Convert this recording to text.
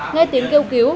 nghe tiếng kêu cứu